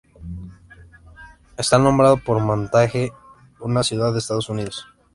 Está nombrado por Montague, una ciudad de Estados Unidos.